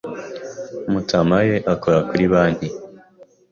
Matamae akora kuri banki.